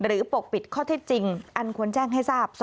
ปกปิดข้อเท็จจริงอันควรแจ้งให้ทราบ